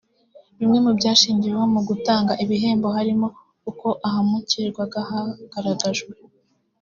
Bimwe mu byashingiweho mu gutanga ibihembo harimo uko ahamurikirwaga hagaragajwe